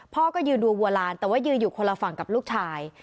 พ่อก็ยืนดูบัวลานแต่ว่ายืนอยู่คนละฝั่งกับลูกชาย